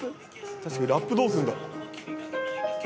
確かにラップどうするんだろ？